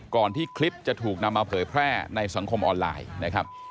ที่คลิปจะถูกนำมาเผยแพร่ในสังคมออนไลน์นะครับ